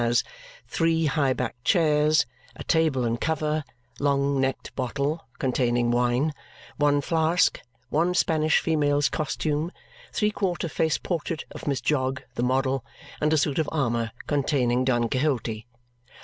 As "Three high backed chairs, a table and cover, long necked bottle (containing wine), one flask, one Spanish female's costume, three quarter face portrait of Miss Jogg the model, and a suit of armour containing Don Quixote."